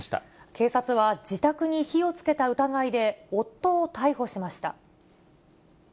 警察は、自宅に火をつけた疑いで、夫を逮捕しました。